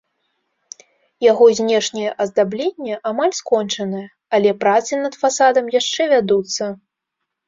Яго знешняе аздабленне амаль скончанае, але працы над фасадам яшчэ вядуцца.